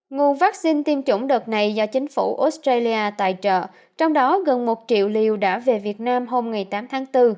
nguồn vaccine tiêm chủng đợt này do chính phủ australia tài trợ trong đó gần một triệu liều đã về việt nam hôm tám tháng bốn